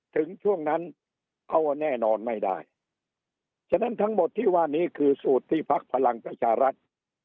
ถึงช่วงนั้นเอาแน่นอนไม่ได้ฉะนั้นทั้งหมดที่ว่านี้คือสูตรที่พักพลังประชารัฐ